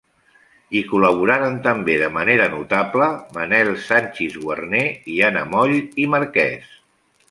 Hi col·laboraren també, de manera notable, Manuel Sanchis Guarner i Anna Moll i Marquès.